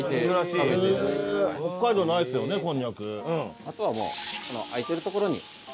あとはもう空いているところにお肉を。